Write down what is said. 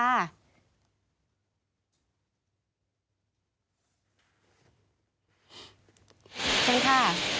สวัสดีค่ะ